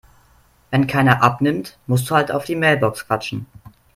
Wenn keiner abnimmt, musst du halt auf die Mailbox quatschen.